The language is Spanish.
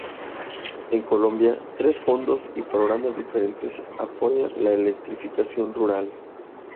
En Colombia, tres fondos y programas diferentes apoyan la electrificación rural.